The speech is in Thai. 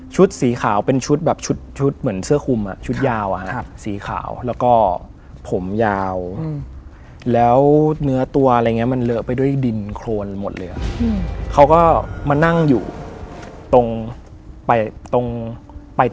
เชื่อร้อยเปอร์เซ็นต์